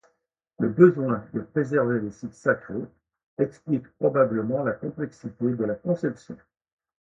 Le besoin de préserver les sites sacrés explique probablement la complexité de la conception.